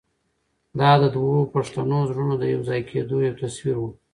دا د دوو پښتنو زړونو د یو ځای کېدو یو تصویر و.